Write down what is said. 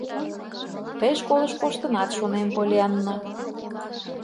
— Тый школыш коштынат, шонем, Поллианна?